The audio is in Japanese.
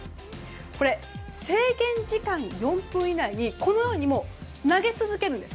これ、制限時間４分以内にこのように投げ続けるんです。